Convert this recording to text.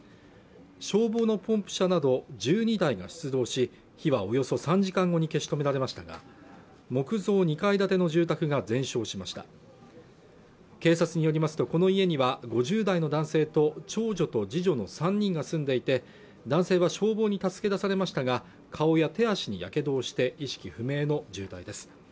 消防のポンプ車など１２台が出動し火はおよそ３時間後に消し止められましたが木造２階建ての住宅が全焼しました警察によりますとこの家には５０代の男性と長女と次女の３人が住んでいて男性は消防に助け出されましたが顔や手足にやけどをして意識不明の重体です